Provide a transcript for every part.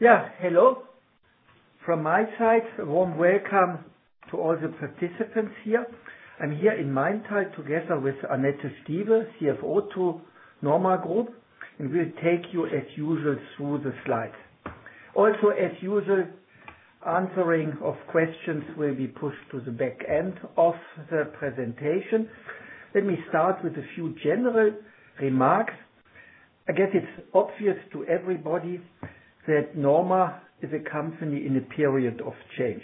Yeah, hello. From my side, a warm welcome to all the participants here. I'm here in Maintal together with Annette Stieve, CFO to NORMA Group, and we'll take you, as usual, through the slides. Also, as usual, answering of questions will be pushed to the back end of the presentation. Let me start with a few general remarks. I guess it's obvious to everybody that NORMA is a company in a period of change.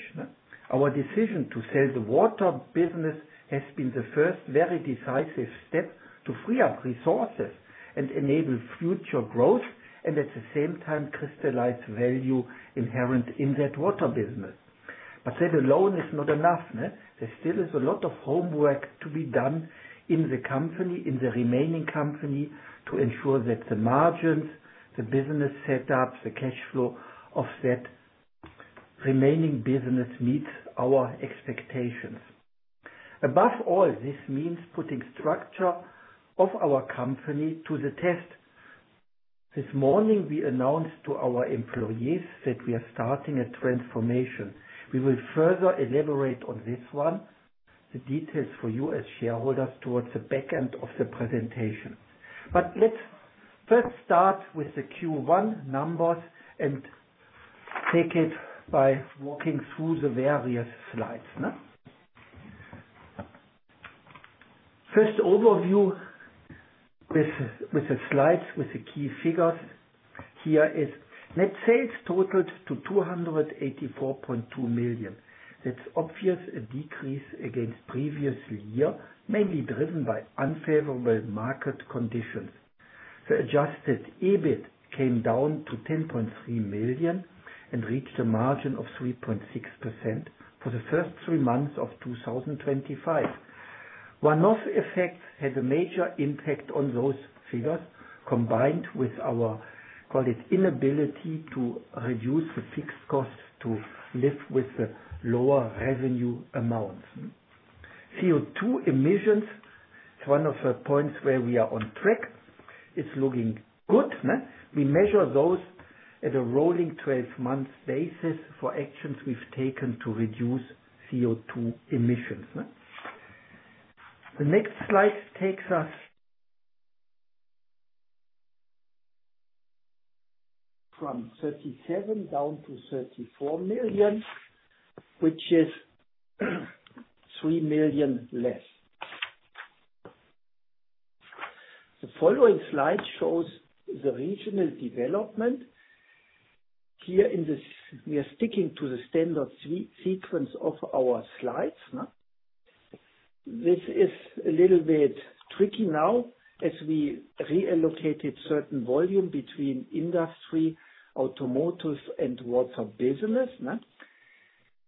Our decision to sell the water business has been the first very decisive step to free up resources and enable future growth, and at the same time, crystallize value inherent in that water business. That alone is not enough. There still is a lot of homework to be done in the company, in the remaining company, to ensure that the margins, the business setup, the cash flow of that remaining business meets our expectations. Above all, this means putting structure of our company to the test. This morning, we announced to our employees that we are starting a transformation. We will further elaborate on this one, the details for you as shareholders towards the back end of the presentation. Let's first start with the Q1 numbers and take it by walking through the various slides. First overview with the slides with the key figures here is net sales totaled to 284.2 million. That's obviously a decrease against previous year, mainly driven by unfavorable market conditions. The adjusted EBIT came down to 10.3 million and reached a margin of 3.6% for the first three months of 2025. One of the effects had a major impact on those figures combined with our inability to reduce the fixed costs to live with the lower revenue amounts. CO2 emissions, it's one of the points where we are on track. It's looking good. We measure those at a rolling 12-month basis for actions we've taken to reduce CO2 emissions. The next slide takes us from 37 million down to 34 million, which is 3 million less. The following slide shows the regional development. Here in this, we are sticking to the standard sequence of our slides. This is a little bit tricky now as we re-allocated certain volume between industry, automotive, and water business.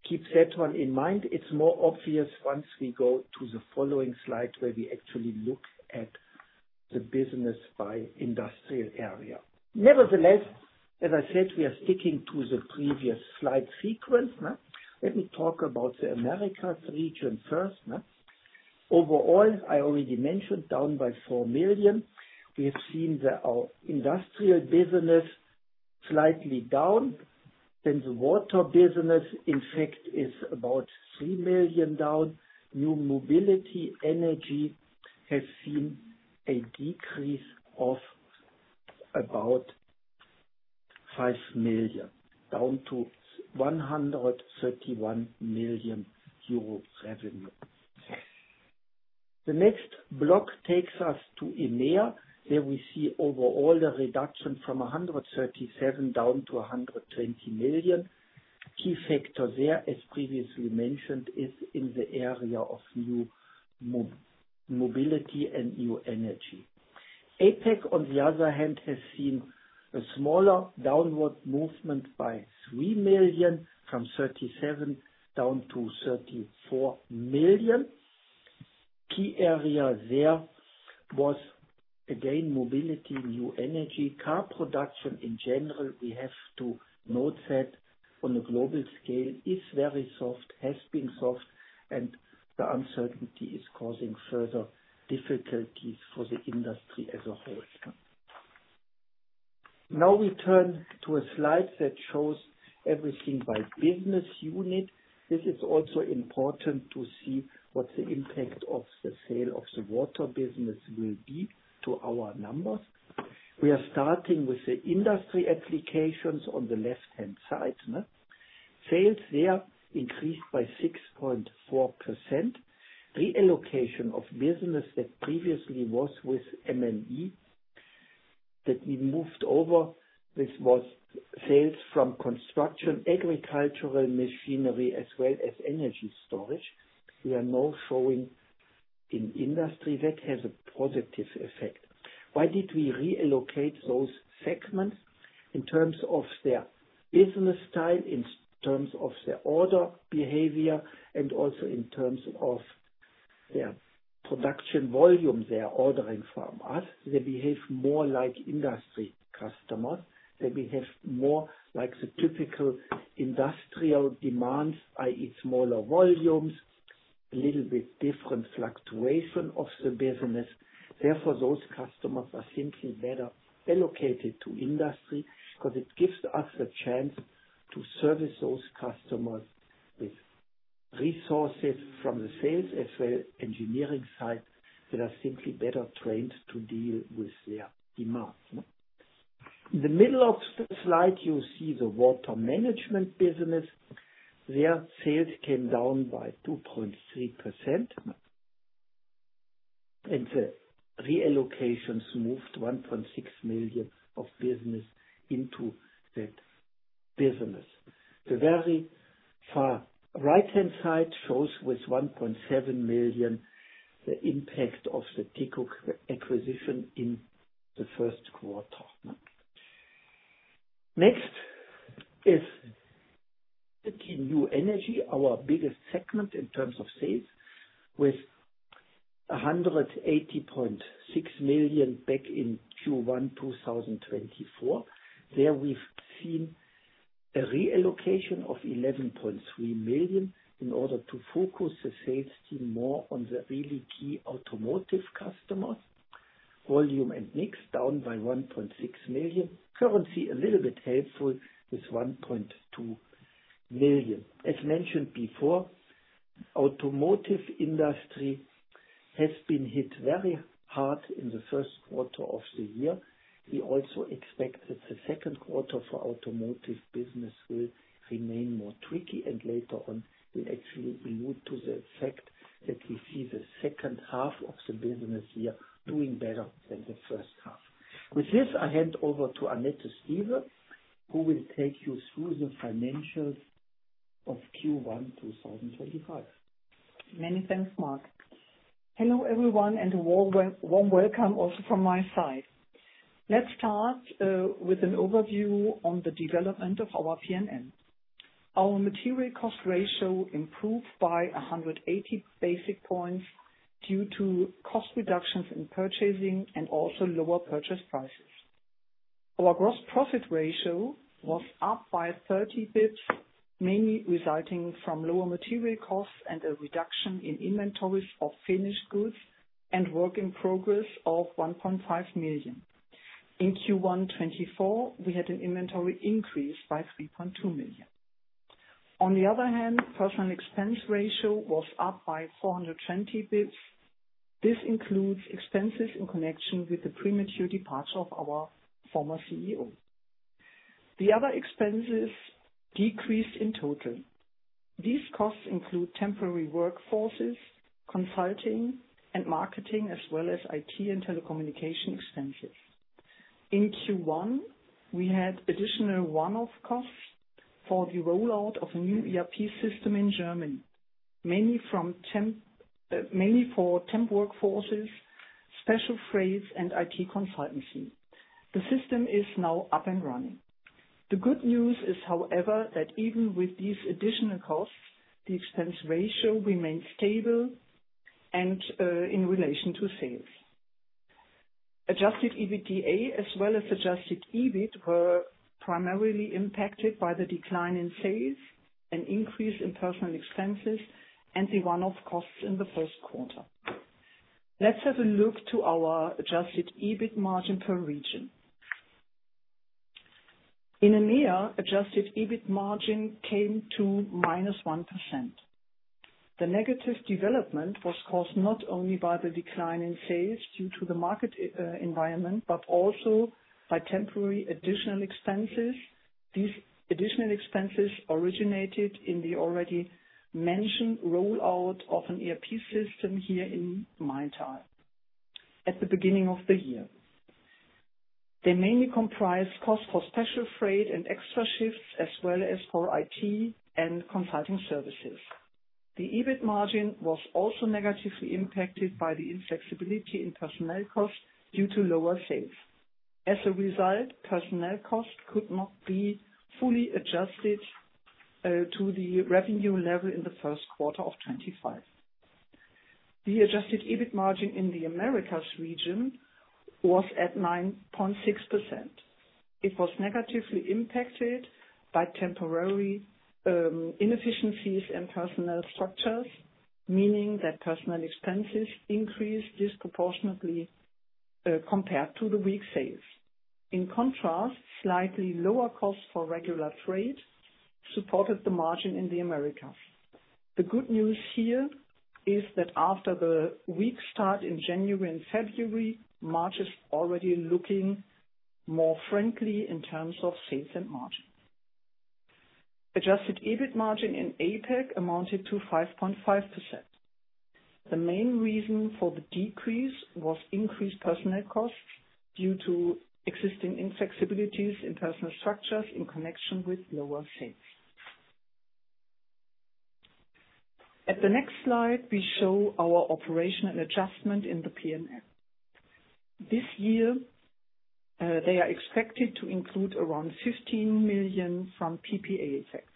Keep that one in mind. It's more obvious once we go to the following slide where we actually look at the business by industrial area. Nevertheless, as I said, we are sticking to the previous slide sequence. Let me talk about the Americas region first. Overall, I already mentioned down by 4 million. We have seen our industrial business slightly down. The water business, in fact, is about 3 million down. New mobility, energy, has seen a decrease of about 5 million, down to 131 million euro revenue. The next block takes us to EMEA, where we see overall the reduction from 137 million down to 120 million. Key factor there, as previously mentioned, is in the area of new mobility and new energy. APEC, on the other hand, has seen a smaller downward movement by 3 million from 37 million down to 34 million. Key area there was, again, mobility, new energy, car production in general. We have to note that on a global scale is very soft, has been soft, and the uncertainty is causing further difficulties for the industry as a whole. Now we turn to a slide that shows everything by business unit. This is also important to see what the impact of the sale of the water business will be to our numbers. We are starting with the industry applications on the left-hand side. Sales there increased by 6.4%. Relocation of business that previously was with M&E that we moved over. This was sales from construction, agricultural machinery, as well as energy storage. We are now showing in industry that has a positive effect. Why did we re-allocate those segments? In terms of their business style, in terms of their order behavior, and also in terms of their production volume they are ordering from us, they behave more like industry customers. They behave more like the typical industrial demands, i.e., smaller volumes, a little bit different fluctuation of the business. Therefore, those customers are simply better allocated to industry because it gives us the chance to service those customers with resources from the sales as well as engineering side that are simply better trained to deal with their demands. In the middle of the slide, you see the water management business. Their sales came down by 2.3%. And the re-allocations moved 1.6 million of business into that business. The very far right-hand side shows with 1.7 million the impact of the Teco acquisition in the first quarter. Next is new energy, our biggest segment in terms of sales with 180.6 million back in Q1 2024. There we have seen a re-allocation of 11.3 million in order to focus the sales team more on the really key automotive customers. Volume and mix down by 1.6 million. Currency a little bit helpful with 1.2 million. As mentioned before, automotive industry has been hit very hard in the first quarter of the year. We also expect that the second quarter for automotive business will remain more tricky. Later on, we'll actually allude to the fact that we see the second half of the business year doing better than the first half. With this, I hand over to Annette Stieve, who will take you through the financials of Q1 2025. Many thanks, Mark. Hello everyone and a warm welcome also from my side. Let's start with an overview on the development of our P&L. Our material cost ratio improved by 180 basis points due to cost reductions in purchasing and also lower purchase prices. Our gross profit ratio was up by 30 basis points, mainly resulting from lower material costs and a reduction in inventories of finished goods and work in progress of 1.5 million. In Q1 2024, we had an inventory increase by 3.2 million. On the other hand, personnel expense ratio was up by 420 basis points. This includes expenses in connection with the premature departure of our former CEO. The other expenses decreased in total. These costs include temporary workforces, consulting, and marketing, as well as IT and telecommunication expenses. In Q1, we had additional one-off costs for the rollout of a new ERP system in Germany, mainly for temp workforces, special trades, and IT consultancy. The system is now up and running. The good news is, however, that even with these additional costs, the expense ratio remained stable and in relation to sales. Adjusted EBITDA, as well as adjusted EBIT, were primarily impacted by the decline in sales, an increase in personnel expenses, and the one-off costs in the first quarter. Let's have a look to our adjusted EBIT margin per region. In EMEA, adjusted EBIT margin came to -1%. The negative development was caused not only by the decline in sales due to the market environment, but also by temporary additional expenses. These additional expenses originated in the already mentioned rollout of an ERP system here in my time at the beginning of the year. They mainly comprised costs for special freight and extra shifts, as well as for IT and consulting services. The EBIT margin was also negatively impacted by the inflexibility in personnel costs due to lower sales. As a result, personnel costs could not be fully adjusted to the revenue level in the first quarter of 2025. The adjusted EBIT margin in the Americas region was at 9.6%. It was negatively impacted by temporary inefficiencies and personnel structures, meaning that personnel expenses increased disproportionately compared to the weak sales. In contrast, slightly lower costs for regular trade supported the margin in the Americas. The good news here is that after the weak start in January and February, March is already looking more friendly in terms of sales and margin. Adjusted EBIT margin in APEC amounted to 5.5%. The main reason for the decrease was increased personnel costs due to existing inflexibilities in personnel structures in connection with lower sales. At the next slide, we show our operational adjustment in the P&L. This year, they are expected to include around 15 million from PPA effects.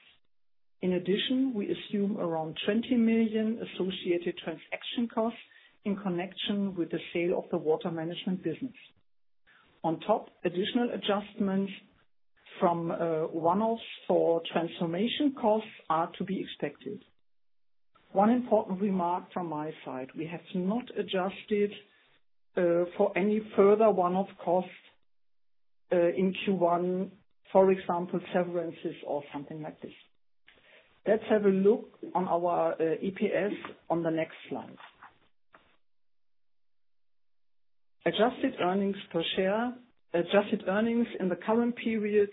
In addition, we assume around 20 million associated transaction costs in connection with the sale of the water management business. On top, additional adjustments from one-offs for transformation costs are to be expected. One important remark from my side, we have not adjusted for any further one-off costs in Q1, for example, severances or something like this. Let's have a look on our EPS on the next slide. Adjusted earnings per share, adjusted earnings in the current period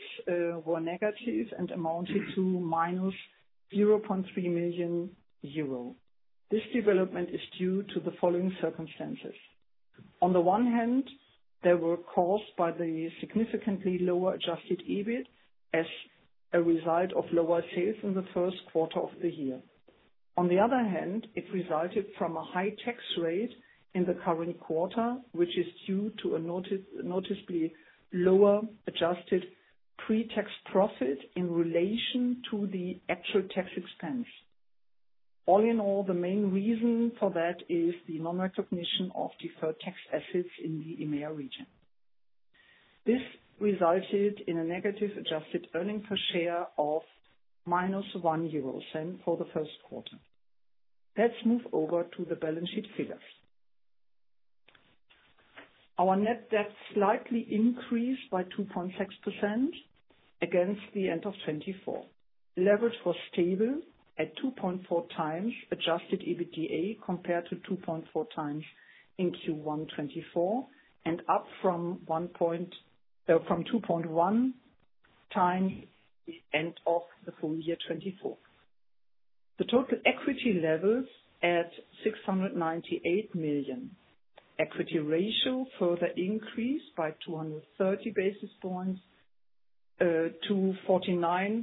were negative and amounted to -0.3 million euro. This development is due to the following circumstances. On the one hand, they were caused by the significantly lower adjusted EBIT as a result of lower sales in the first quarter of the year. On the other hand, it resulted from a high tax rate in the current quarter, which is due to a noticeably lower adjusted pre-tax profit in relation to the actual tax expense. All in all, the main reason for that is the non-recognition of deferred tax assets in the EMEA region. This resulted in a negative adjusted earnings per share of -0.01 for the first quarter. Let's move over to the balance sheet figures. Our net debt slightly increased by 2.6% against the end of 2024. Leverage was stable at 2.4 times adjusted EBITDA compared to 2.4 times in Q1 2024 and up from 2.1 times at the end of the full year 2024. The total equity levels at 698 million. Equity ratio further increased by 230 basis points to 49.3%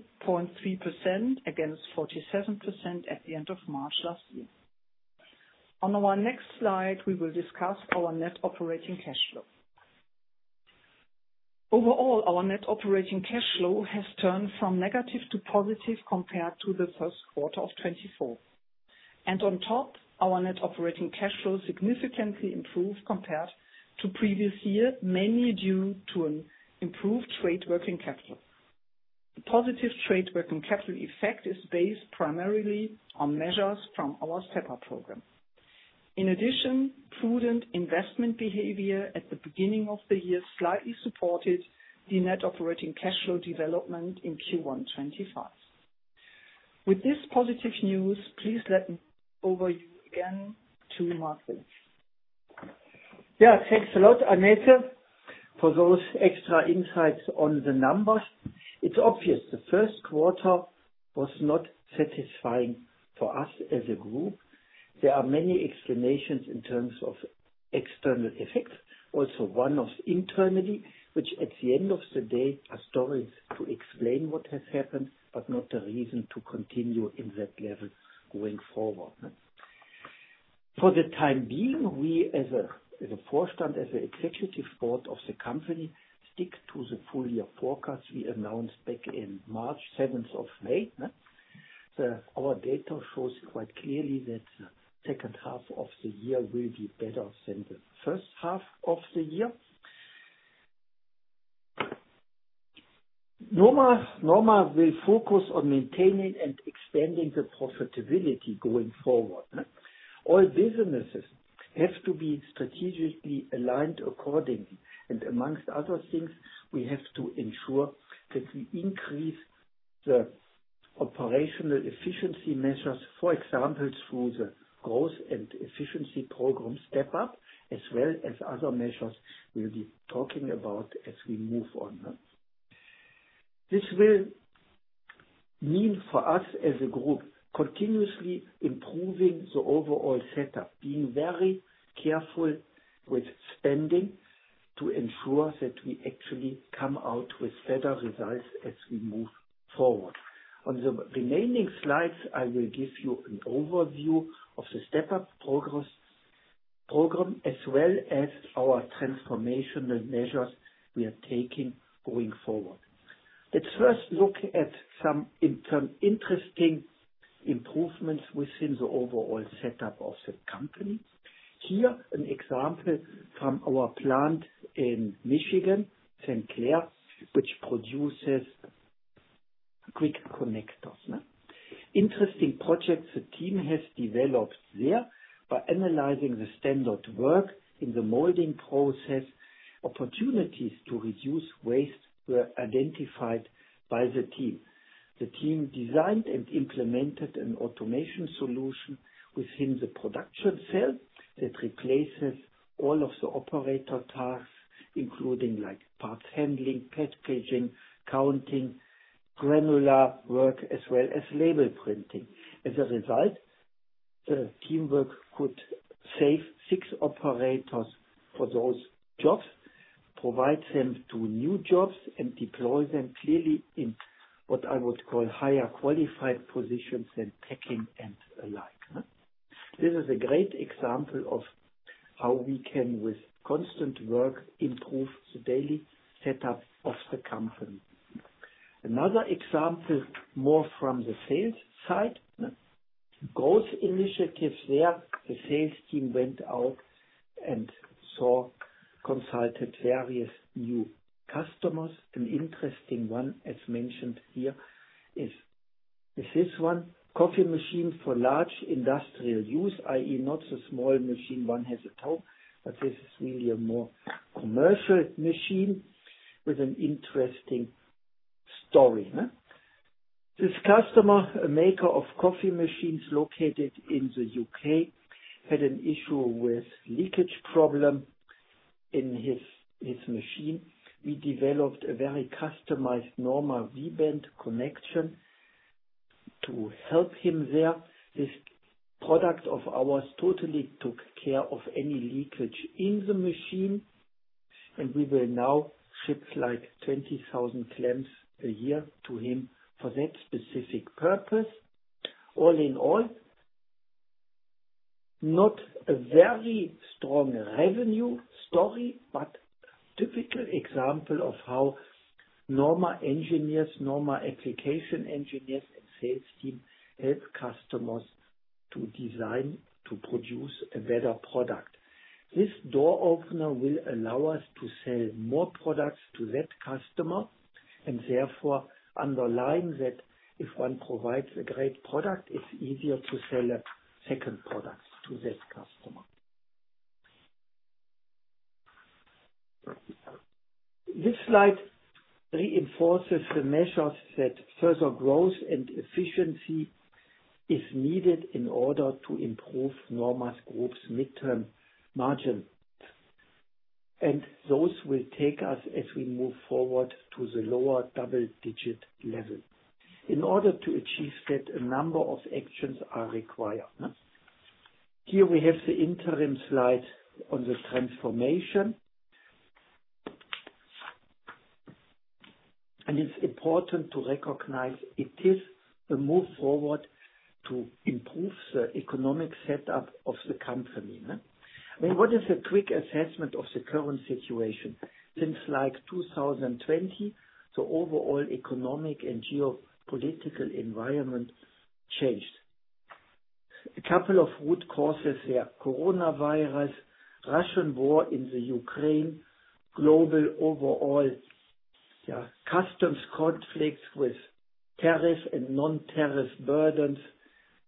against 47% at the end of March last year. On our next slide, we will discuss our net operating cash flow. Overall, our net operating cash flow has turned from negative to positive compared to the first quarter of 2024. On top, our net operating cash flow significantly improved compared to previous year, mainly due to an improved trade working capital. Positive trade working capital effect is based primarily on measures from our Step Up program. In addition, prudent investment behavior at the beginning of the year slightly supported the net operating cash flow development in Q1 2025. With this positive news, please let me move over you again to Mark Wilhelms. Yeah, thanks a lot, Annette, for those extra insights on the numbers. It's obvious the first quarter was not satisfying for us as a group. There are many explanations in terms of external effects, also one of internally, which at the end of the day are stories to explain what has happened, but not the reason to continue in that level going forward. For the time being, we as a board stand, as an executive board of the company, stick to the full year forecast we announced back in March 7th of [May]. Our data shows quite clearly that the second half of the year will be better than the first half of the year. NORMA will focus on maintaining and expanding the profitability going forward. All businesses have to be strategically aligned accordingly. Amongst other things, we have to ensure that we increase the operational efficiency measures, for example, through the growth and efficiency program Step Up, as well as other measures we'll be talking about as we move on. This will mean for us as a group continuously improving the overall setup, being very careful with spending to ensure that we actually come out with better results as we move forward. On the remaining slides, I will give you an overview of the Step Up program, as well as our transformational measures we are taking going forward. Let's first look at some interesting improvements within the overall setup of the company. Here, an example from our plant in Michigan, St. Clair, which produces quick connectors. Interesting projects the team has developed there by analyzing the standard work in the molding process. Opportunities to reduce waste were identified by the team. The team designed and implemented an automation solution within the production cell that replaces all of the operator tasks, including like parts handling, packaging, counting, granular work, as well as label printing. As a result, the teamwork could save six operators for those jobs, provide them to new jobs, and deploy them clearly in what I would call higher qualified positions and packing and the like. This is a great example of how we can, with constant work, improve the daily setup of the company. Another example, more from the sales side, growth initiatives there. The sales team went out and saw, consulted various new customers. An interesting one, as mentioned here, is this one, coffee machine for large industrial use, i.e., not a small machine one has at home, but this is really a more commercial machine with an interesting story. This customer, a maker of coffee machines located in the U.K., had an issue with a leakage problem in his machine. We developed a very customized NORMA V-band connection to help him there. This product of ours totally took care of any leakage in the machine, and we will now ship like 20,000 clamps a year to him for that specific purpose. All in all, not a very strong revenue story, but a typical example of how NORMA engineers, NORMA application engineers, and sales team help customers to design, to produce a better product. This door opener will allow us to sell more products to that customer, and therefore underline that if one provides a great product, it's easier to sell a second product to that customer. This slide reinforces the measures that further growth and efficiency is needed in order to improve NORMA Group's midterm margin. Those will take us as we move forward to the lower double-digit level. In order to achieve that, a number of actions are required. Here we have the interim slide on the transformation. It is important to recognize it is a move forward to improve the economic setup of the company. I mean, what is a quick assessment of the current situation? Since 2020, the overall economic and geopolitical environment changed. A couple of root causes here: coronavirus, Russian war in the Ukraine, global overall customs conflicts with tariff and non-tariff burdens,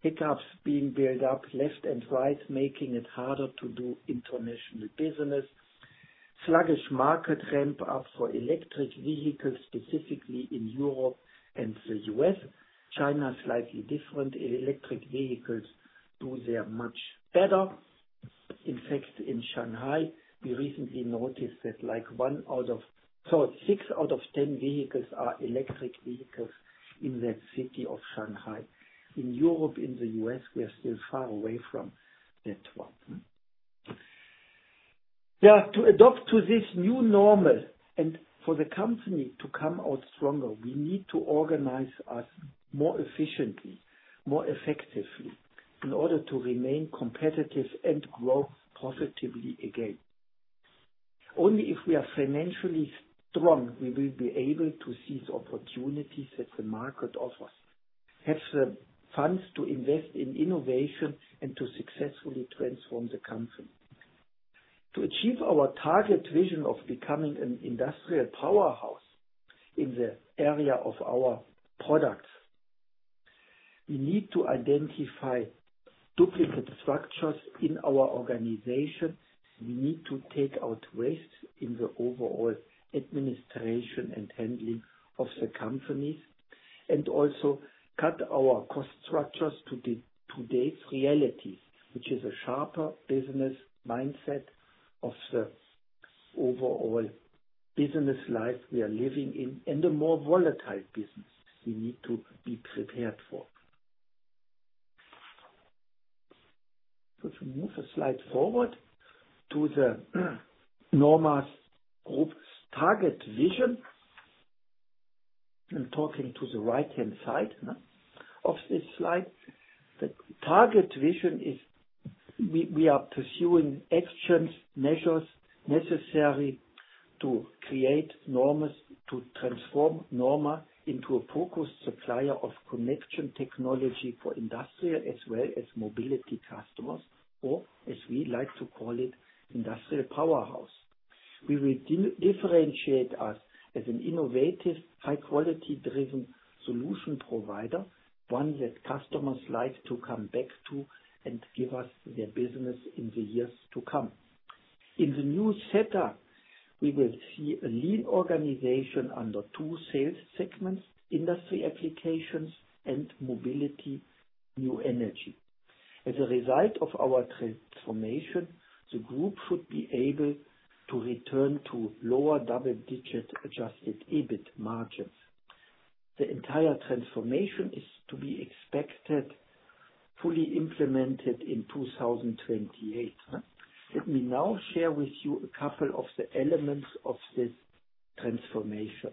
hiccups being built up left and right, making it harder to do international business, sluggish market ramp-up for electric vehicles specifically in Europe and the U.S. China is slightly different. Electric vehicles do there much better. In fact, in Shanghai, we recently noticed that like one out of, six out of ten vehicles are electric vehicles in that city of Shanghai. In Europe, in the U.S., we are still far away from that one. Yeah, to adopt to this new normal and for the company to come out stronger, we need to organize us more efficiently, more effectively in order to remain competitive and grow profitably again. Only if we are financially strong, we will be able to seize opportunities that the market offers, have the funds to invest in innovation and to successfully transform the company. To achieve our target vision of becoming an industrial powerhouse in the area of our products, we need to identify duplicate structures in our organization. We need to take out waste in the overall administration and handling of the companies and also cut our cost structures to today's reality, which is a sharper business mindset of the overall business life we are living in and a more volatile business we need to be prepared for. To move a slide forward to the NORMA Group's target vision, I'm talking to the right-hand side of this slide. The target vision is we are pursuing actions, measures necessary to create NORMA, to transform NORMA into a focused supplier of connection technology for industrial as well as mobility customers, or as we like to call it, industrial powerhouse. We will differentiate us as an innovative, high-quality-driven solution provider, one that customers like to come back to and give us their business in the years to come. In the new setup, we will see a lean organization under two sales segments, industry applications and mobility, new energy. As a result of our transformation, the group should be able to return to lower double-digit adjusted EBIT margins. The entire transformation is to be expected fully implemented in 2028. Let me now share with you a couple of the elements of this transformation.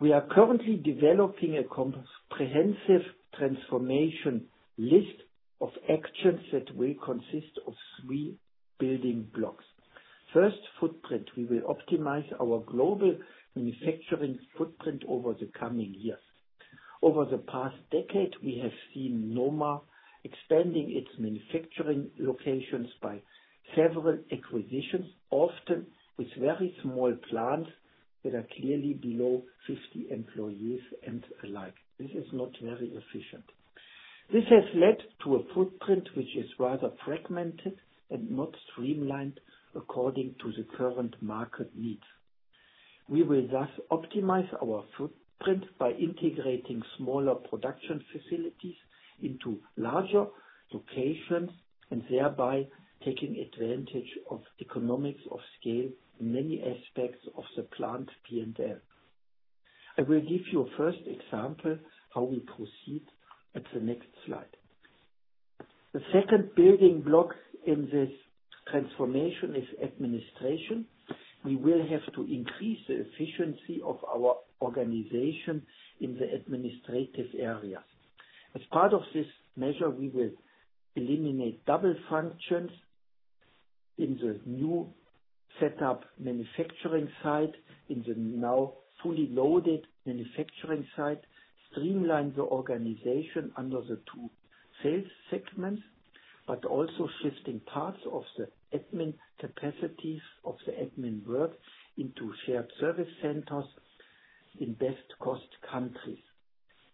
We are currently developing a comprehensive transformation list of actions that will consist of three building blocks. First, footprint. We will optimize our global manufacturing footprint over the coming years. Over the past decade, we have seen NORMA expanding its manufacturing locations by several acquisitions, often with very small plants that are clearly below 50 employees and the like. This is not very efficient. This has led to a footprint which is rather fragmented and not streamlined according to the current market needs. We will thus optimize our footprint by integrating smaller production facilities into larger locations and thereby taking advantage of economies of scale in many aspects of the plant P&L. I will give you a first example of how we proceed at the next slide. The second building block in this transformation is administration. We will have to increase the efficiency of our organization in the administrative areas. As part of this measure, we will eliminate double functions in the new setup manufacturing site in the now fully loaded manufacturing site, streamline the organization under the two sales segments, but also shifting parts of the admin capacities of the admin work into shared service centers in best cost countries.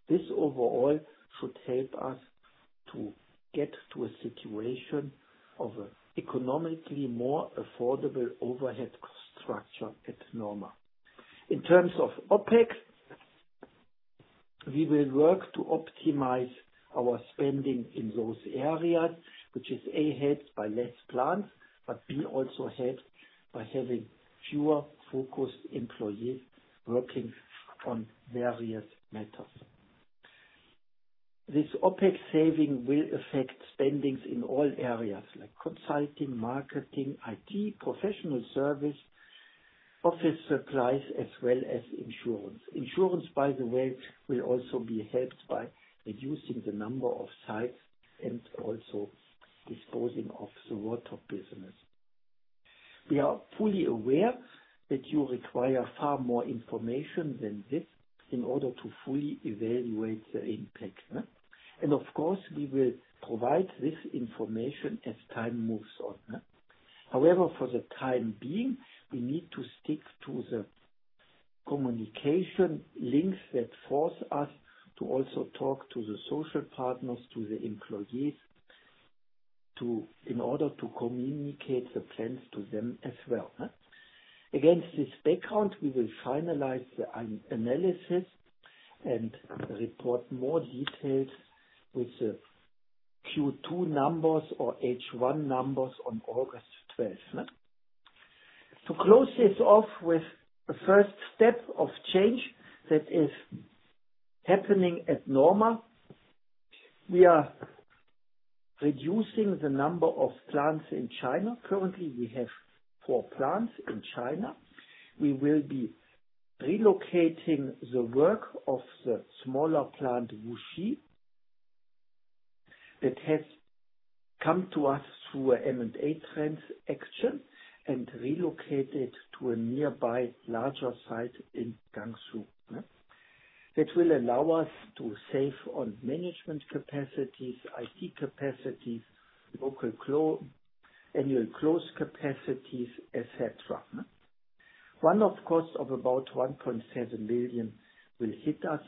This overall should help us to get to a situation of an economically more affordable overhead cost structure at NORMA. In terms of OPEX, we will work to optimize our spending in those areas, which is, A, helped by fewer plants, but, B, also helped by having fewer focused employees working on various matters. This OPEX saving will affect spendings in all areas like consulting, marketing, IT, professional service, office supplies, as well as insurance. Insurance, by the way, will also be helped by reducing the number of sites and also disposing of the water business. We are fully aware that you require far more information than this in order to fully evaluate the impact. Of course, we will provide this information as time moves on. However, for the time being, we need to stick to the communication links that force us to also talk to the social partners, to the employees, in order to communicate the plans to them as well. Against this background, we will finalize the analysis and report more details with the Q2 numbers or H1 numbers on August 12th. To close this off with the first step of change that is happening at NORMA Group, we are reducing the number of plants in China. Currently, we have four plants in China. We will be relocating the work of the smaller plant Wuxi that has come to us through an M&A transaction and relocate it to a nearby larger site in Gangseong. That will allow us to save on management capacities, IT capacities, local annual close capacities, etc. One, of course, of about 1.7 million will hit us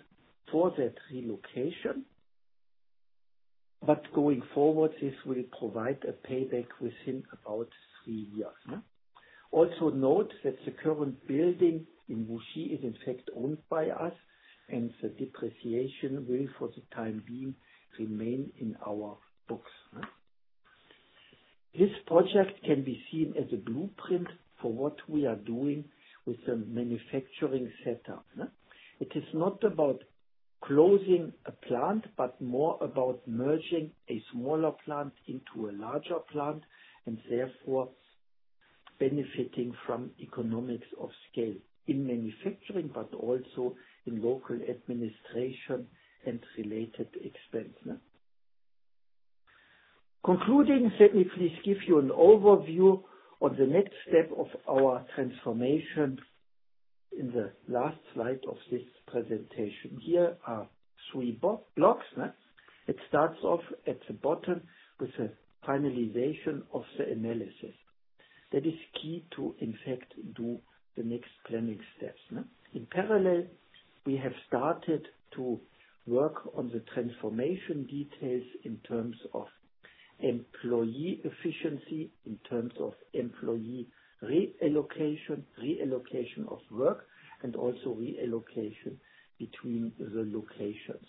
for that relocation. Going forward, this will provide a payback within about three years. Also note that the current building in Wuxi is, in fact, owned by us, and the depreciation will, for the time being, remain in our books. This project can be seen as a blueprint for what we are doing with the manufacturing setup. It is not about closing a plant, but more about merging a smaller plant into a larger plant and therefore benefiting from economics of scale in manufacturing, but also in local administration and related expense. Concluding, let me please give you an overview of the next step of our transformation in the last slide of this presentation. Here are three blocks. It starts off at the bottom with the finalization of the analysis. That is key to, in fact, do the next planning steps. In parallel, we have started to work on the transformation details in terms of employee efficiency, in terms of employee reallocation, reallocation of work, and also reallocation between the locations.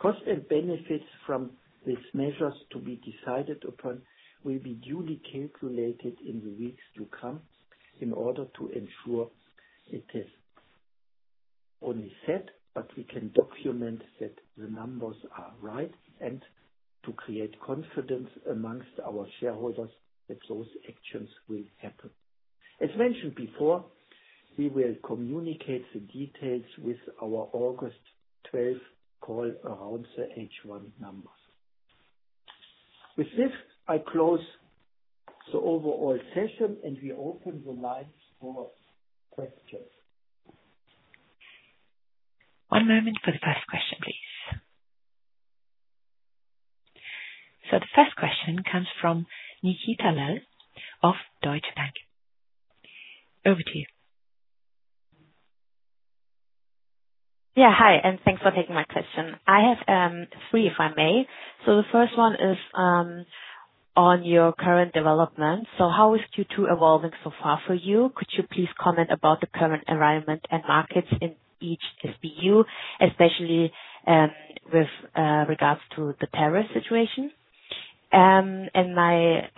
Cost and benefits from these measures to be decided upon will be duly calculated in the weeks to come in order to ensure it is only set, but we can document that the numbers are right and to create confidence amongst our shareholders that those actions will happen. As mentioned before, we will communicate the details with our August 12th call around the H1 numbers. With this, I close the overall session, and we open the lines for questions. One moment for the first question, please. The first question comes from Nikita Lal of Deutsche Bank. Over to you. Yeah, hi, and thanks for taking my question. I have three, if I may. The first one is on your current development. How is Q2 evolving so far for you? Could you please comment about the current environment and markets in each SBU, especially with regards to the tariff situation? My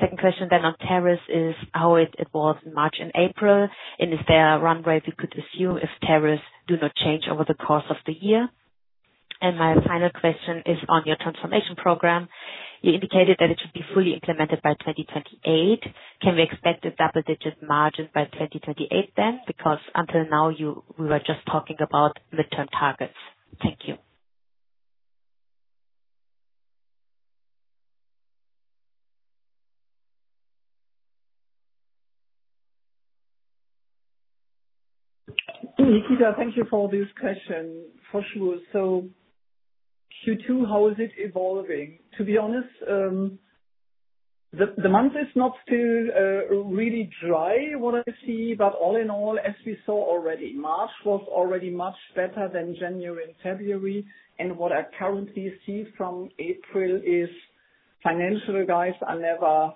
second question then on tariffs is how it evolves in March and April, and is there a runway we could assume if tariffs do not change over the course of the year? My final question is on your transformation program. You indicated that it should be fully implemented by 2028. Can we expect a double-digit margin by 2028 then? Because until now, we were just talking about midterm targets. Thank you. Thank you for all these questions, for sure. Q2, how is it evolving? To be honest, the month is not still really dry, what I see. All in all, as we saw already, March was already much better than January and February. What I currently see from April is financial guys are never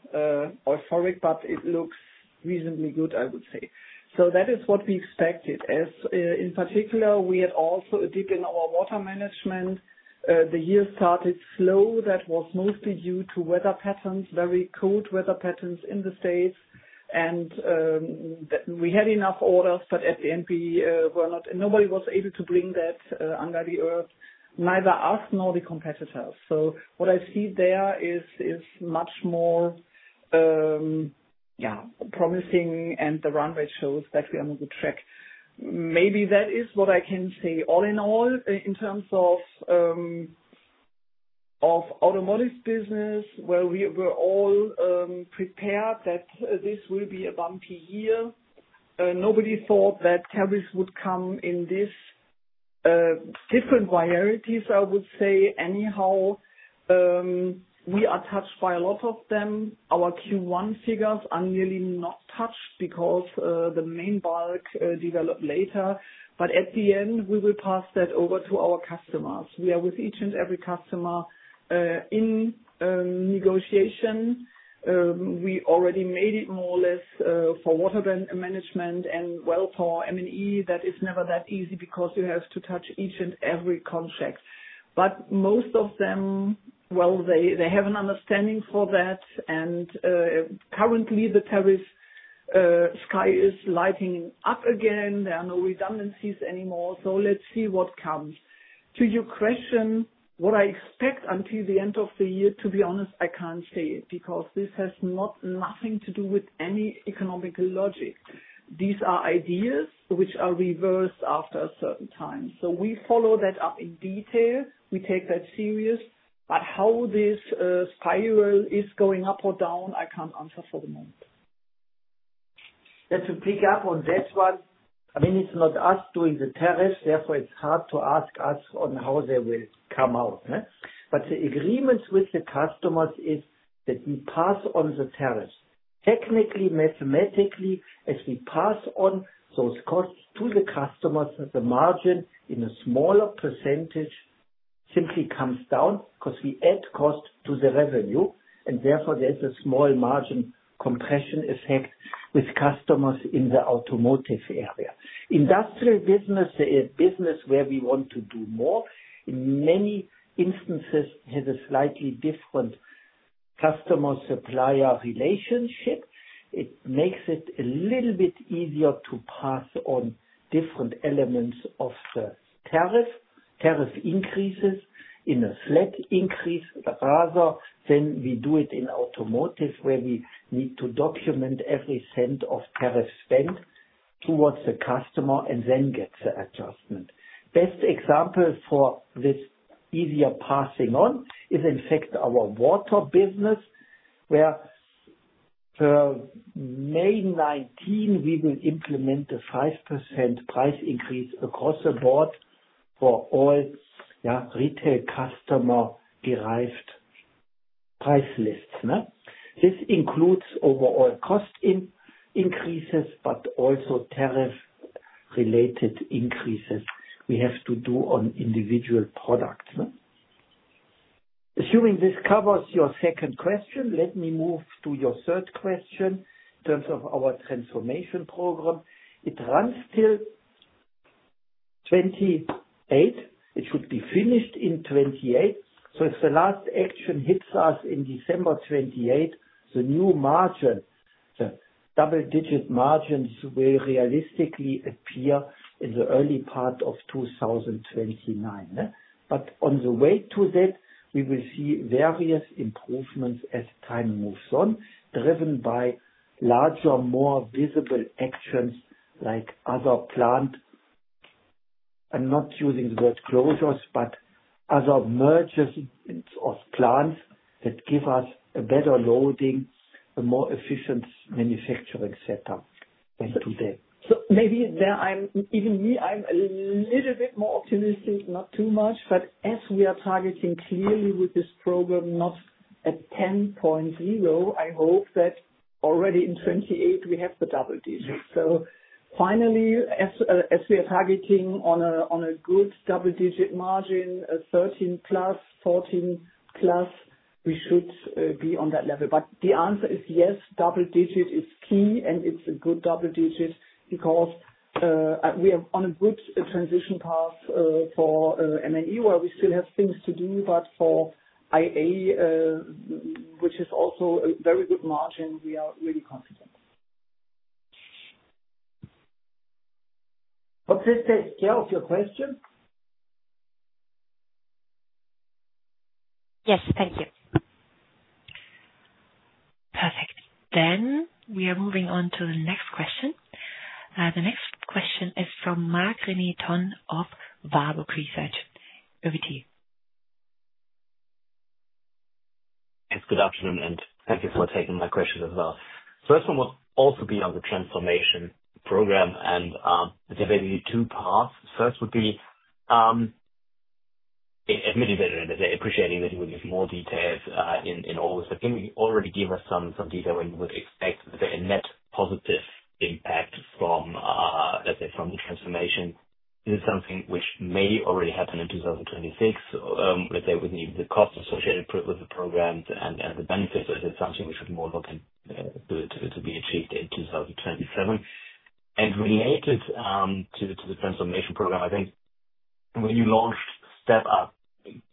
euphoric, but it looks reasonably good, I would say. That is what we expected. In particular, we had also a dip in our water management. The year started slow. That was mostly due to weather patterns, very cold weather patterns in the States. We had enough orders, but at the end, nobody was able to bring that under the earth, neither us nor the competitors. What I see there is much more promising, and the runway shows that we are on a good track. Maybe that is what I can say. All in all, in terms of automotive business, we were all prepared that this will be a bumpy year. Nobody thought that tariffs would come in this different varieties, I would say. Anyhow, we are touched by a lot of them. Our Q1 figures are nearly not touched because the main bulk developed later. At the end, we will pass that over to our customers. We are with each and every customer in negotiation. We already made it more or less for water management and well power M&E. That is never that easy because you have to touch each and every contract. Most of them, they have an understanding for that. Currently, the tariff sky is lighting up again. There are no redundancies anymore. Let's see what comes. To your question, what I expect until the end of the year, to be honest, I can't say because this has nothing to do with any economic logic. These are ideas which are reversed after a certain time. We follow that up in detail. We take that serious. However, how this spiral is going up or down, I can't answer for the moment. To pick up on that one, I mean, it's not us doing the tariffs. Therefore, it's hard to ask us on how they will come out. The agreement with the customers is that we pass on the tariffs. Technically, mathematically, as we pass on those costs to the customers, the margin in a smaller percentage simply comes down because we add cost to the revenue. Therefore, there's a small margin compression effect with customers in the automotive area. Industrial business, a business where we want to do more, in many instances has a slightly different customer-supplier relationship. It makes it a little bit easier to pass on different elements of the tariff, tariff increases in a flat increase rather than we do it in automotive where we need to document every cent of tariff spent towards the customer and then get the adjustment. Best example for this easier passing on is, in fact, our water business where per May 19, we will implement a 5% price increase across the board for all retail customer-derived price lists. This includes overall cost increases, but also tariff-related increases we have to do on individual products. Assuming this covers your second question, let me move to your third question in terms of our transformation program. It runs till 2028. It should be finished in 2028. If the last action hits us in December 2028, the new margin, the double-digit margins will realistically appear in the early part of 2029. On the way to that, we will see various improvements as time moves on, driven by larger, more visible actions like other plant. I'm not using the word closures, but other mergers of plants that give us a better loading, a more efficient manufacturing setup than today. Maybe there, even me, I'm a little bit more optimistic, not too much. As we are targeting clearly with this program, not at 10.0, I hope that already in 2028, we have the double digit. Finally, as we are targeting on a good double-digit margin, 13% plus, 14% plus, we should be on that level. The answer is yes, double digit is key, and it's a good double digit because we are on a good transition path for M&E, where we still have things to do. For IA, which is also a very good margin, we are really confident. Did we answer of your question? Yes, thank you. Perfect. We are moving on to the next question. The next question is from Mark René Ton of Warburg Research. Over to you. Yes, good afternoon, and thank you for taking my questions as well. The first one would also be on the transformation program, and there are basically two paths. First would be admitting that and appreciating that you would give more details in all this. You already give us some detail when you would expect a net positive impact from, let's say, from the transformation? Is it something which may already happen in 2026, let's say, with the cost associated with the programs and the benefits? Is it something we should more look into to be achieved in 2027? And related to the transformation program, I think when you launched Step Up,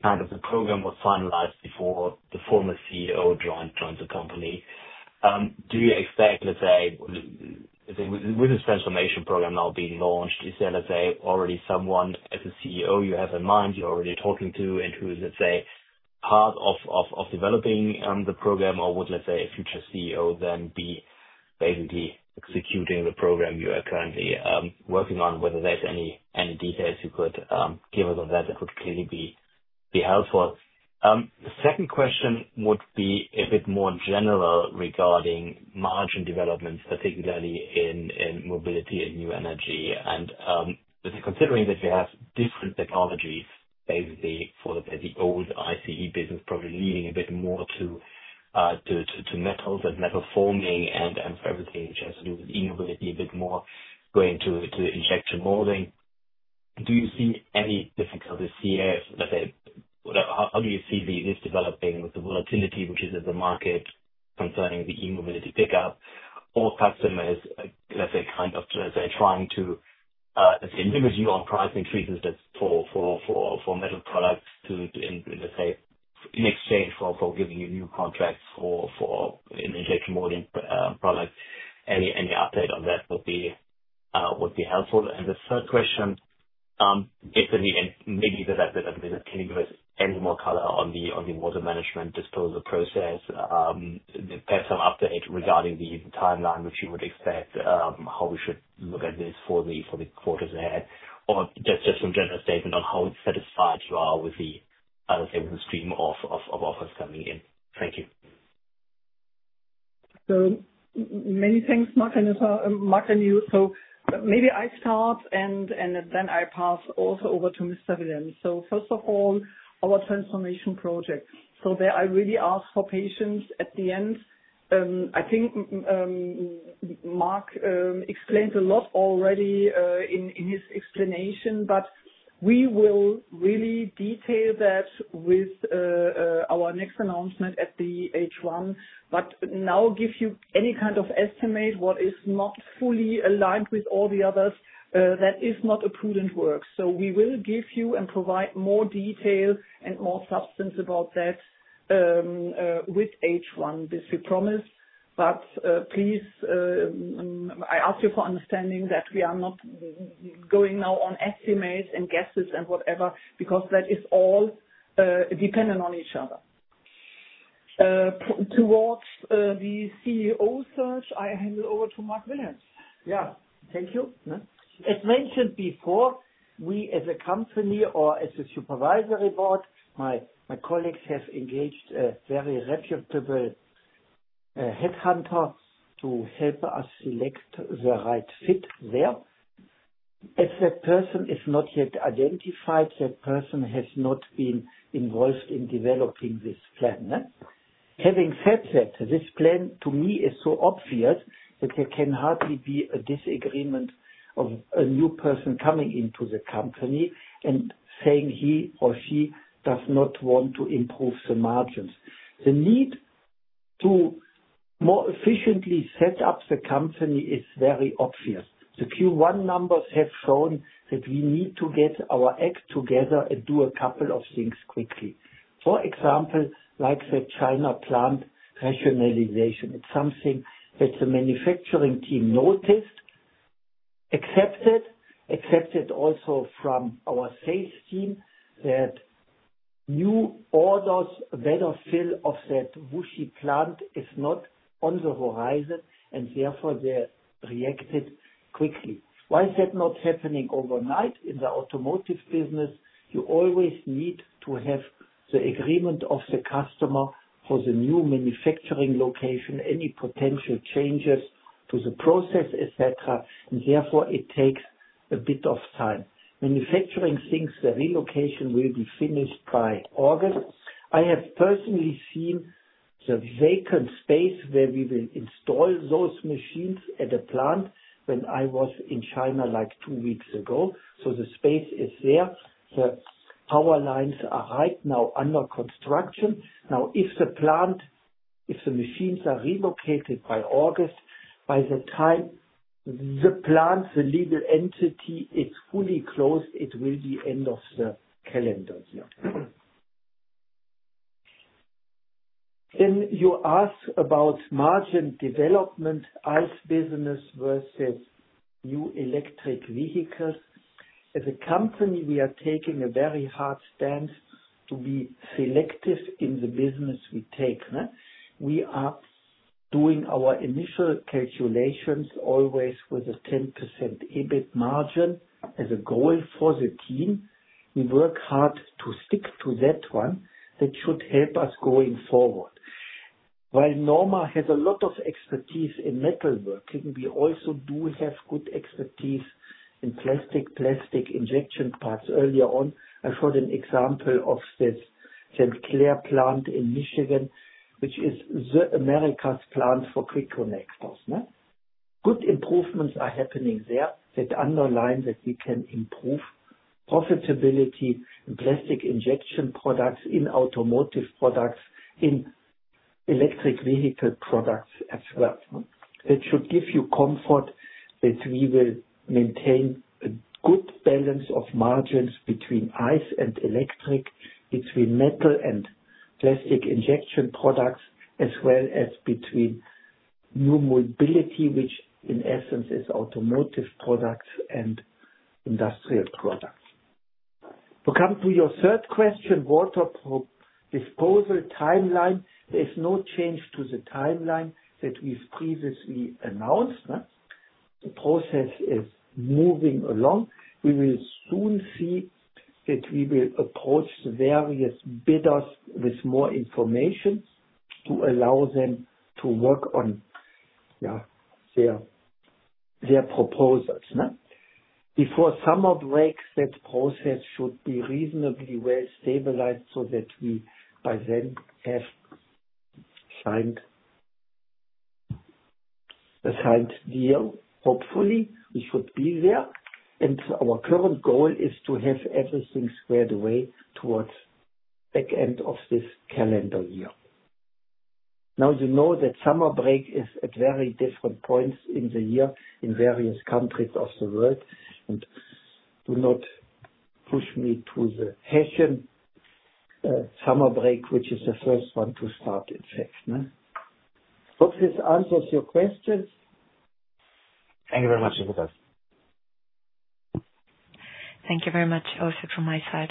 kind of the program was finalized before the former CEO joined the company. Do you expect, let's say, with this transformation program now being launched, is there, let's say, already someone as a CEO you have in mind you're already talking to and who is, let's say, part of developing the program? Or would, let's say, a future CEO then be basically executing the program you are currently working on? Whether there's any details you could give us on that, that would clearly be helpful. The second question would be a bit more general regarding margin developments, particularly in mobility and new energy. Considering that you have different technologies, basically for the old ICE business, probably leaning a bit more to metals and metal forming and everything which has to do with e-mobility a bit more going to injection molding, do you see any difficulties here? Let's say, how do you see this developing with the volatility which is in the market concerning the e-mobility pickup? Our customers, let's say, kind of trying to, let's say, limit you on price increases for metal products in exchange for giving you new contracts for an injection molding product? Any update on that would be helpful. The third question is, maybe that can you give us any more color on the water management disposal process? Perhaps some update regarding the timeline which you would expect, how we should look at this for the quarters ahead, or just some general statement on how satisfied you are with the, let's say, with the stream of offers coming in? Thank you. Many thanks, Mark, and you. Maybe I start, and then I pass also over to Mr. Wilhelms. First of all, our transformation project. I really ask for patience at the end. I think Mark explained a lot already in his explanation, but we will really detail that with our next announcement at the H1. To now give you any kind of estimate what is not fully aligned with all the others, that is not a prudent work. We will give you and provide more detail and more substance about that with H1, this we promise. Please, I ask you for understanding that we are not going now on estimates and guesses and whatever because that is all dependent on each other. Towards the CEO search, I hand it over to Mark Wilhelms. Yeah, thank you, Annette. As mentioned before, we as a company or as a Supervisory Board, my colleagues have engaged a very reputable headhunter to help us select the right fit there. If that person is not yet identified, that person has not been involved in developing this plan. Having said that, this plan to me is so obvious that there can hardly be a disagreement of a new person coming into the company and saying he or she does not want to improve the margins. The need to more efficiently set up the company is very obvious. The Q1 numbers have shown that we need to get our act together and do a couple of things quickly. For example, like the China plant rationalization, it's something that the manufacturing team noticed, accepted, accepted also from our sales team that new orders, better fill of that Wuxi plant is not on the horizon, and therefore they reacted quickly. Why is that not happening overnight in the automotive business? You always need to have the agreement of the customer for the new manufacturing location, any potential changes to the process, etc. Therefore, it takes a bit of time. Manufacturing thinks the relocation will be finished by August. I have personally seen the vacant space where we will install those machines at the plant when I was in China like two weeks ago. The space is there. The power lines are right now under construction. Now, if the machines are relocated by August, by the time the plant, the legal entity, is fully closed, it will be the end of the calendar year. You asked about margin development as business versus new electric vehicles. As a company, we are taking a very hard stance to be selective in the business we take. We are doing our initial calculations always with a 10% EBIT margin as a goal for the team. We work hard to stick to that one. That should help us going forward. While NORMA has a lot of expertise in metalworking, we also do have good expertise in plastic, plastic injection parts earlier on. I showed an example of the St. Clair plant in Michigan, which is Americas plant for quick connectors. Good improvements are happening there. That underlines that we can improve profitability in plastic injection products, in automotive products, in electric vehicle products as well. That should give you comfort that we will maintain a good balance of margins between ICE and electric, between metal and plastic injection products, as well as between new mobility, which in essence is automotive products and industrial products. To come to your third question, water disposal timeline, there is no change to the timeline that we have previously announced. The process is moving along. We will soon see that we will approach the various bidders with more information to allow them to work on their proposals. Before summer breaks, that process should be reasonably well stabilized so that we by then have signed a signed deal. Hopefully, we should be there. Our current goal is to have everything squared away towards the end of this calendar year. Now, you know that summer break is at very different points in the year in various countries of the world. Do not push me to the Hessian summer break, which is the first one to start, in fact. Hope this answers your questions. Thank you very much, to you both. Thank you very much, also, from my side.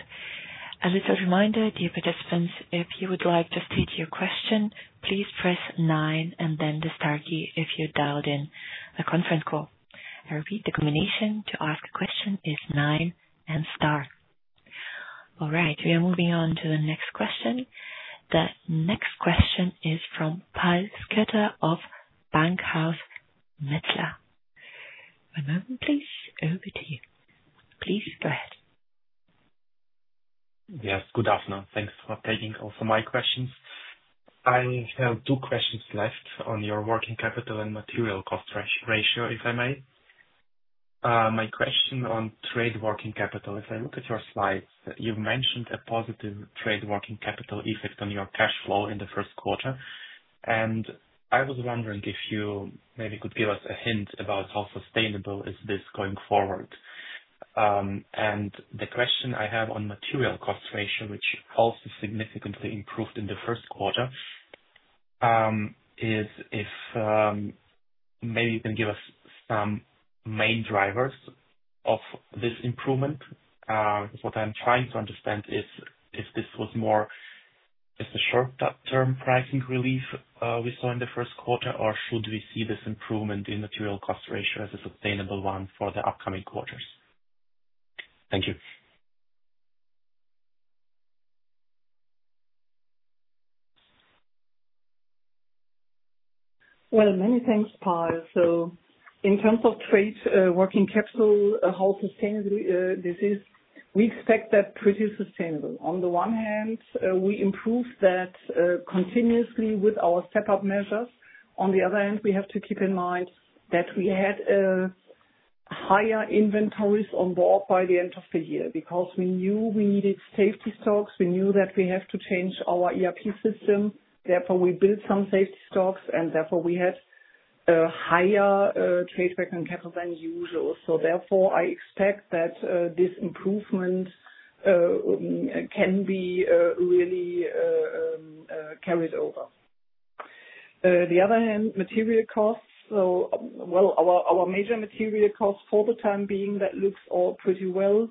As a reminder, dear participants, if you would like to state your question, please press nine and then the star key if you dialed in the conference call. I repeat, the combination to ask a question is nine and star. All right, we are moving on to the next question. The next question is from Pal Skirta of Bankhaus Metzler. One moment, please. Over to you. Please go ahead. Yes, good afternoon. Thanks for taking also my questions. I have two questions left on your working capital and material cost ratio, if I may. My question on trade working capital, if I look at your slides, you've mentioned a positive trade working capital effect on your cash flow in the first quarter. I was wondering if you maybe could give us a hint about how sustainable is this going forward. The question I have on material cost ratio, which also significantly improved in the first quarter, is if maybe you can give us some main drivers of this improvement. What I'm trying to understand is if this was more just a short-term pricing relief we saw in the first quarter, or should we see this improvement in material cost ratio as a sustainable one for the upcoming quarters? Thank you. Many thanks, Pal. In terms of trade working capital, how sustainable this is, we expect that pretty sustainable. On the one hand, we improved that continuously with our Step Up measures. On the other hand, we have to keep in mind that we had higher inventories on board by the end of the year because we knew we needed safety stocks. We knew that we have to change our ERP system. Therefore, we built some safety stocks, and therefore we had a higher trade working capital than usual. I expect that this improvement can be really carried over. On the other hand, material costs, so our major material costs for the time being, that looks all pretty well.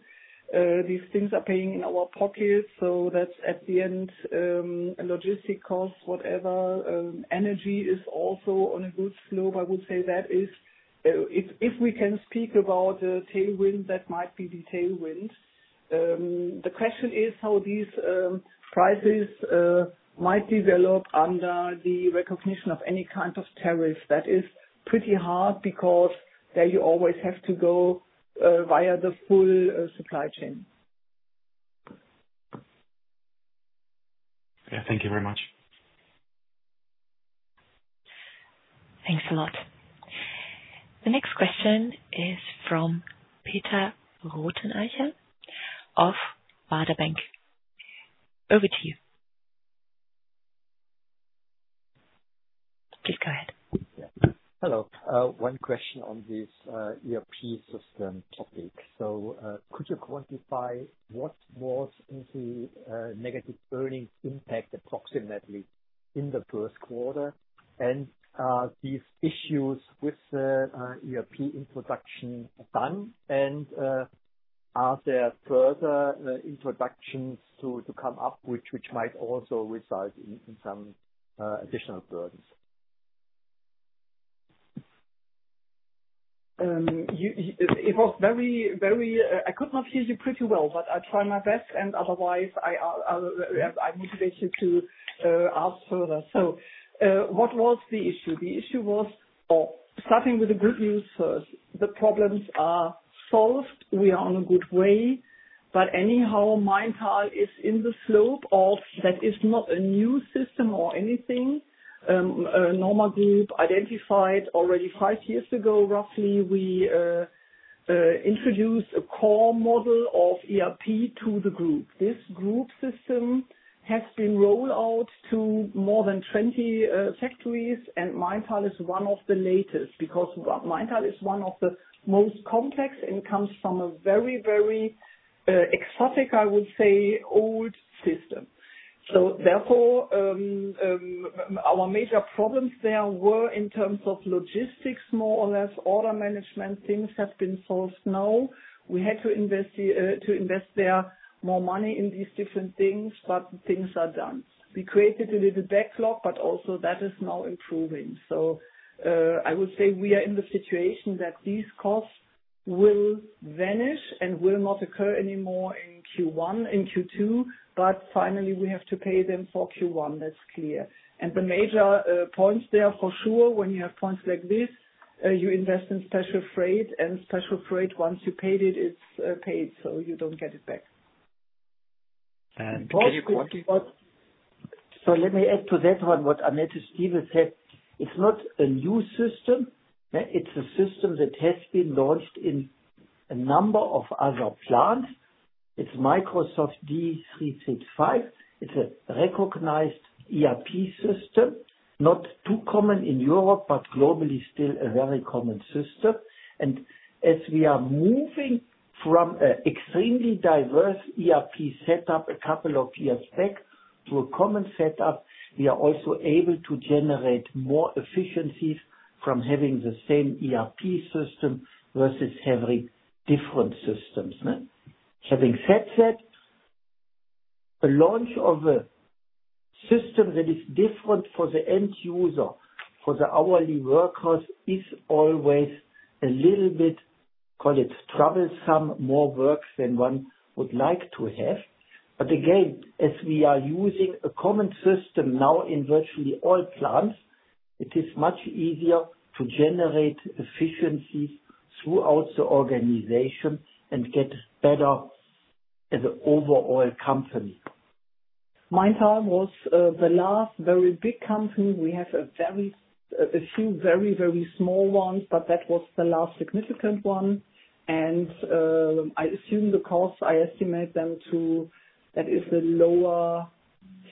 These things are paying in our pockets. At the end, logistic costs, whatever. Energy is also on a good slope. I would say that if we can speak about the tailwind, that might be the tailwind. The question is how these prices might develop under the recognition of any kind of tariff. That is pretty hard because then you always have to go via the full supply chain. Yeah, thank you very much. Thanks a lot. The next question is from Peter Rothenaicher of Baader Bank. Over to you. Please go ahead. Hello. One question on this ERP system topic. Could you quantify what was the negative earnings impact approximately in the first quarter? Are these issues with the ERP introduction done? Are there further introductions to come up which might also result in some additional burdens? It was very, very, I could not hear you pretty well, but I'll try my best, and otherwise, I motivate you to ask further. What was the issue? The issue was, or starting with the good news first, the problems are solved. We are on a good way. Anyhow, Maintal is in the slope of that is not a new system or anything. NORMA Group identified already five years ago, roughly, we introduced a core model of ERP to the group. This group system has been rolled out to more than 20 factories, and Maintal is one of the latest because Maintal is one of the most complex and comes from a very, very exotic, I would say, old system. Therefore, our major problems there were in terms of logistics, more or less, order management. Things have been solved now. We had to invest there more money in these different things, but things are done. We created a little backlog, but also that is now improving. I would say we are in the situation that these costs will vanish and will not occur anymore in Q1, in Q2, but finally, we have to pay them for Q1. That's clear. The major points there for sure, when you have points like this, you invest in special freight, and special freight, once you paid it, it's paid, so you don't get it back. Can you continue? Let me add to that one what Annette Stieve said. It is not a new system. It is a system that has been launched in a number of other plants. It is Microsoft D365. It is a recognized ERP system, not too common in Europe, but globally still a very common system. As we are moving from an extremely diverse ERP setup a couple of years back to a common setup, we are also able to generate more efficiencies from having the same ERP system versus having different systems. Having said that, the launch of a system that is different for the end user, for the hourly workers, is always a little bit, call it troublesome, more work than one would like to have. As we are using a common system now in virtually all plants, it is much easier to generate efficiencies throughout the organization and get better as an overall company. Maintal was the last very big company. We have a few very, very small ones, but that was the last significant one. I assume the cost, I estimate them to, that is a lower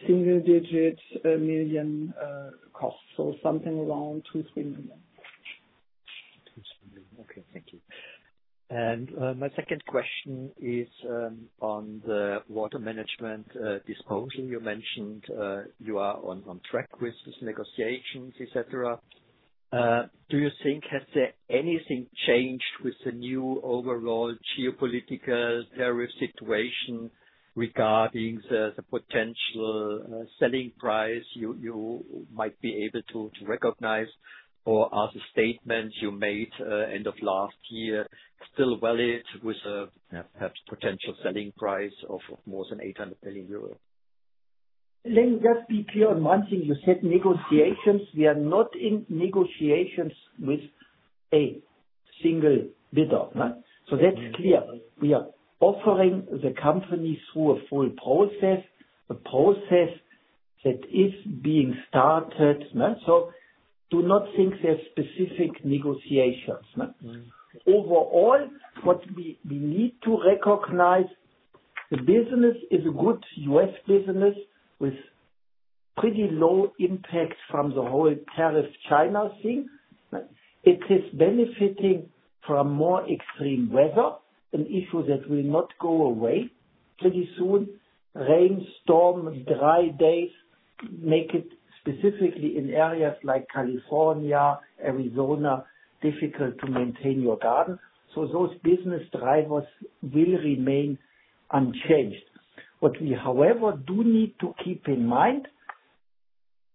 single-digit million cost, so something around 2 million-3 million. 2 million-3 million. Okay, thank you. My second question is on the water management disposal. You mentioned you are on track with these negotiations, etc. Do you think has there anything changed with the new overall geopolitical tariff situation regarding the potential selling price you might be able to recognize? Are the statements you made end of last year still valid with a perhaps potential selling price of more than 800 million euros? Let me just be clear on one thing. You said negotiations. We are not in negotiations with a single bidder. That is clear. We are offering the company through a full process, a process that is being started. Do not think there are specific negotiations. Overall, what we need to recognize, the business is a good U.S. business with pretty low impact from the whole tariff China thing. It is benefiting from more extreme weather, an issue that will not go away pretty soon. Rain, storm, dry days make it specifically in areas like California, Arizona, difficult to maintain your data. Those business drivers will remain unchanged. What we, however, do need to keep in mind,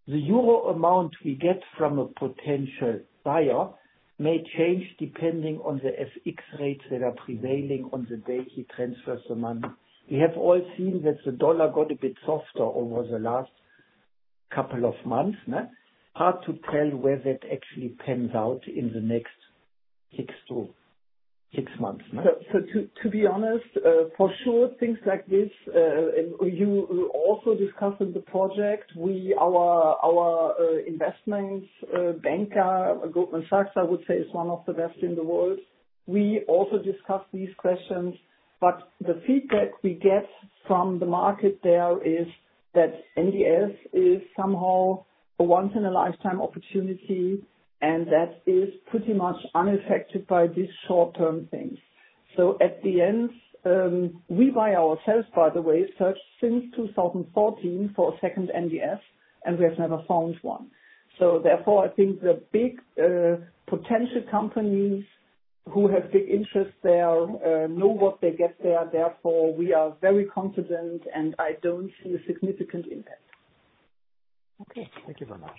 the euro amount we get from a potential buyer may change depending on the FX rates that are prevailing on the day he transfers the money. We have all seen that the dollar got a bit softer over the last couple of months. Hard to tell where that actually pans out in the next six months. To be honest, for sure, things like this, and you also discussed in the project, our investment banker, Goldman Sachs, I would say, is one of the best in the world. We also discussed these questions, but the feedback we get from the market there is that NDS is somehow a once-in-a-lifetime opportunity, and that is pretty much unaffected by these short-term things. At the end, we, by ourselves, by the way, searched since 2014 for a second NDS, and we have never found one. Therefore, I think the big potential companies who have big interests there know what they get there. Therefore, we are very confident, and I do not see a significant impact. Okay. Thank you very much.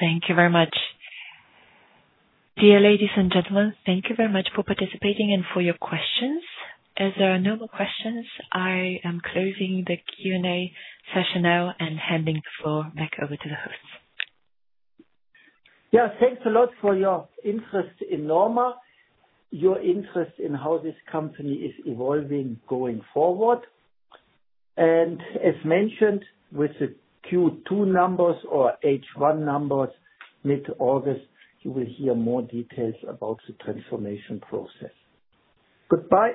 Thank you very much. Dear ladies and gentlemen, thank you very much for participating and for your questions. As there are no more questions, I am closing the Q&A session now and handing the floor back over to the hosts. Yes, thanks a lot for your interest in NORMA, your interest in how this company is evolving going forward. As mentioned, with the Q2 numbers or H1 numbers mid-August, you will hear more details about the transformation process. Goodbye.